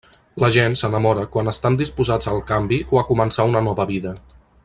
La gent s'enamora quan estan disposats al canvi o a començar una nova vida.